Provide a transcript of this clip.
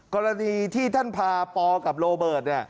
กรณีที่ท่านพาปกับโลเบิร์ตเนี่ย